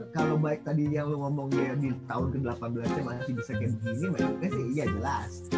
kalau baik tadi yang lu ngomong ya di tahun ke delapan belas nya masih bisa game begini maksudnya sih iya jelas